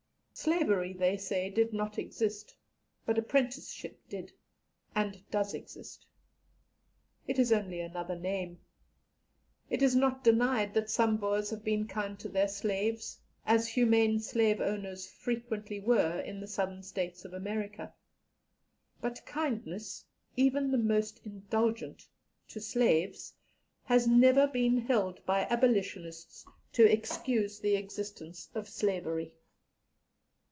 Slavery, they say, did not exist; but apprenticeship did, and does exist. It is only another name. It is not denied that some Boers have been kind to their slaves, as humane slave owners frequently were in the Southern States of America. But kindness, even the most indulgent, to slaves, has never been held by abolitionists to excuse the existence of slavery.